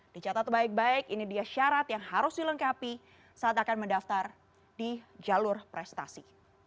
dicatat baik baik ini dia syarat yang harus dilengkapi saat akan mendaftar di jalur prestasi